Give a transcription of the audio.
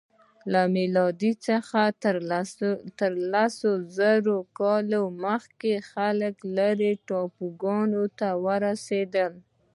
له میلاد څخه تر لس زره کاله مخکې خلک لیرې ټاپوګانو ته ورسیدل.